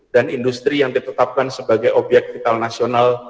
dan industri yang ditetapkan sebagai objek vital nasional